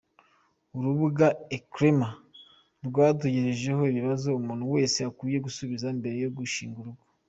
urubuga Elcrema rwatugejejeho ibibazo umuntu wese akwiye gusubiza mbere yo gushing urugo.